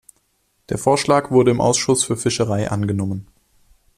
Der Vorschlag wurde im Ausschuss für Fischerei angenommen.